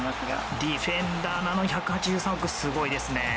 ディフェンダーなのに１８３億、すごいですね。